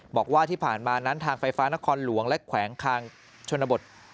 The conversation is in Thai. บอกว่าที่ผ่านมานั้นทางไฟฟ้านครหลวงและแขวงคางชนบท